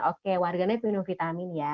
oke warganet minum vitamin ya